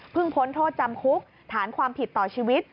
พ้นโทษจำคุกฐานความผิดต่อชีวิต